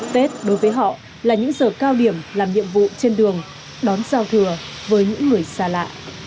tết đối với họ là những giờ cao điểm làm nhiệm vụ trên đường đón giao thừa với những người xa lạ